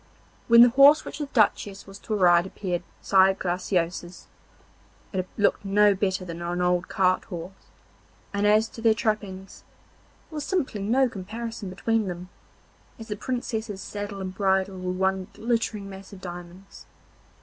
When the horse which the Duchess was to ride appeared beside Graciosa's, it looked no better than an old cart horse, and as to their trappings, there was simply no comparison between them, as the Princess's saddle and bridle were one glittering mass of diamonds.